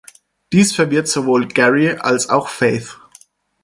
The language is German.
Dies verwirrt sowohl Gary als auch Faith.